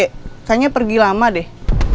kayaknya pergi lama deh